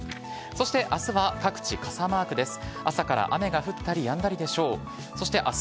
そして、あすは各地傘マークです。